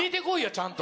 ちゃんと。